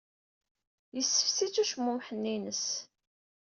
Yessefsi-tt ucmummeḥ-nni-ines.